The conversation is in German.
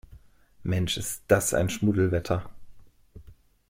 Mensch, ist das ein Schmuddelwetter!